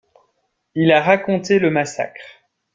Il a raconté le massacre.